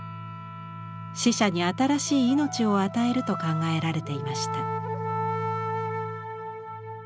死者に新しい命を与えると考えられていました。